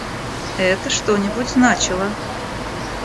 Это что-нибудь значило.